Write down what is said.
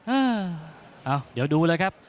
เออเอาเดี๋ยวดูเลยครับ